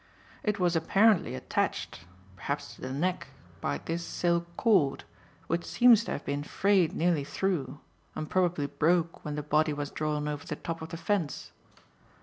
It was apparently attached perhaps to the neck by this silk cord, which seems to have been frayed nearly through, and probably broke when the body was drawn over the top of the fence."